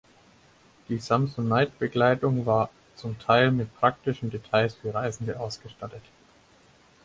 Die Samsonite-Bekleidung war zum Teil mit praktischen Details für Reisende ausgestattet.